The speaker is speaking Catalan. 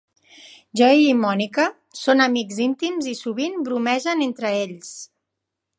Joey i Monica són amics íntims i sovint bromegen entre ells.